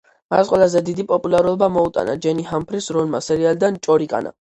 მას ყველაზე დიდი პოპულარობა მოუტანა ჯენი ჰამფრის როლმა სერიალიდან „ჭორიკანა“.